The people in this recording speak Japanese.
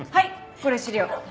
これ資料。